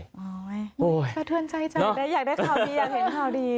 โอ้โหสะเทือนใจฉันอยากได้ข่าวดีอยากเห็นข่าวดี